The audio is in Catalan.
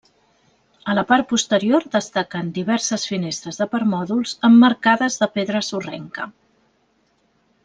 A la part posterior destaquen diverses finestres de permòdols emmarcades de pedra sorrenca.